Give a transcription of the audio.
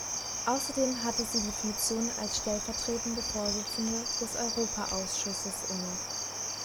Außerdem hatte sie die Funktion als stellvertretende Vorsitzende des Europaausschusses inne.